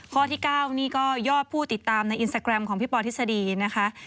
ข้อที่๙นี่ก็ยอดผู้ติดตามในอินสตาแกรมของพี่ปอทฤษฎีนะคะ